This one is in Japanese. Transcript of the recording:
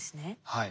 はい。